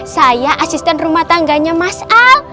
saya asisten rumah tangganya mas al